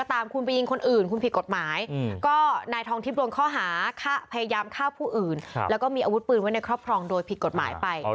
แต่ก็อย่าเสพยาที่กว่าเนาะ